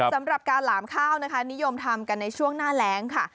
สำหรับการหลามข้าวนะคะนิยมทำกันในช่วงหน้าแรงค่ะ